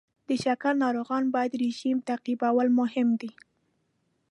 د شکر ناروغان باید رژیم تعقیبول مهم دی.